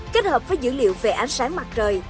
kết hợp với dữ liệu về ánh sáng mặt trời